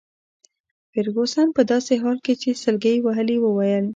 فرګوسن په داسي حال کي چي سلګۍ يې وهلې وویل.